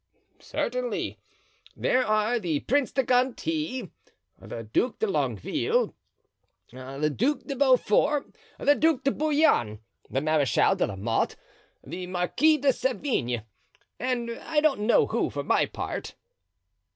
"Certainly. There are the Prince de Conti, the Duc de Longueville, the Duc de Beaufort, the Duc de Bouillon, the Marechal de la Mothe, the Marquis de Sevigne, and I don't know who, for my part."